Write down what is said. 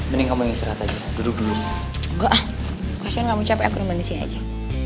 mending kamu istirahat aja duduk dulu enggak kasih kamu capek kondisi aja